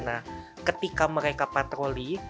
nah ketika mereka patroli